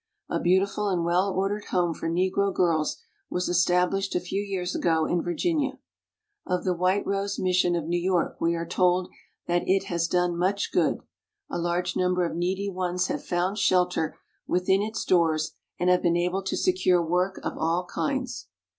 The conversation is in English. A beautiful and well ordered home for Negro girls was established a few years ago in Virginia. Of the White Rose Mission of New York we are told that it "has done much good. A large number of needy ones have found shelter within its doors and have been able to secure work of all kinds.